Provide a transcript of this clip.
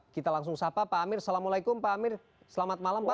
kita langsung sapa pak amir assalamualaikum pak amir selamat malam pak